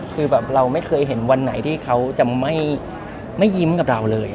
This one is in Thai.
คือแบบเราไม่เคยเห็นวันไหนที่เขาจะไม่ยิ้มกับเราเลย